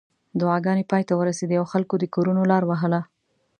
دعاګانې پای ته ورسېدې او خلکو د کورونو لار وهله.